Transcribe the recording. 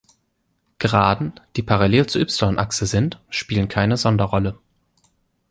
Geraden, die parallel zur y-Achse sind, spielen keine Sonderrolle.